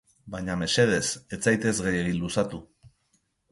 Baina mesedez, ez zaitez gehiegi luzatu.